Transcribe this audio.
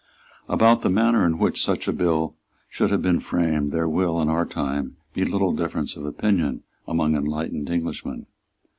About the manner in which such a bill should have been framed there will, in our time, be little difference of opinion among enlightened Englishmen.